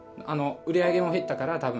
売り上げも減ったから多分。